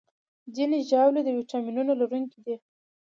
ځینې ژاولې د ویټامینونو لرونکي دي.